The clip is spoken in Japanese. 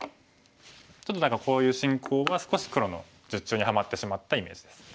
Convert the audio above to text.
ちょっとだからこういう進行は少し黒の術中にはまってしまった意味です。